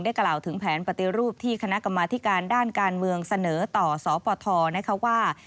กล่าวถึงแผนปฏิรูปที่คณะกรรมาธิการด้านการเมืองเสนอต่อสปทนะคะว่า